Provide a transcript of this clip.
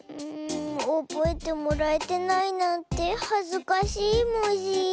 おぼえてもらえてないなんてはずかしいモジ。